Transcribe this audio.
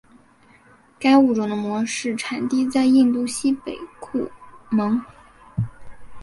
该物种的模式产地在印度西北部库蒙。